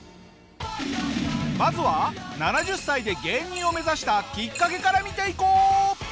まずは７０歳で芸人を目指したきっかけから見ていこう！